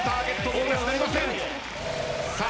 ボーナスなりません。